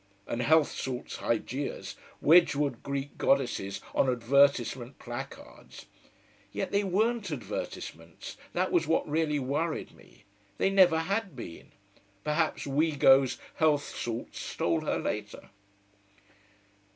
And health salts Hygeias, wedge wood Greek goddesses on advertisement placards! Yet they weren't advertisements. That was what really worried me. They never had been. Perhaps Weego's Health Salts stole her later.